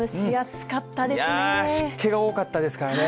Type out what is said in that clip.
いやー、湿気が多かったですからね。